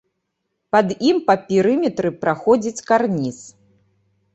Пад ім па перыметры праходзіць карніз.